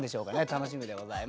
楽しみでございます。